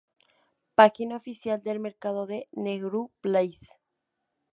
Página oficial del mercado de Nehru Place